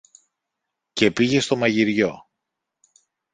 και πήγε στο μαγειριό